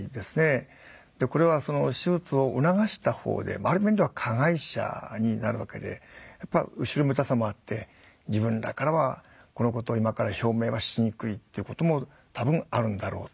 これは手術を促したほうである意味では加害者になるわけでやっぱり後ろめたさもあって自分らからはこのことを今から表明はしにくいってことも多分あるんだろうと。